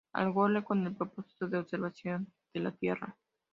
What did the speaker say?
Al Gore con el propósito de observación de la Tierra.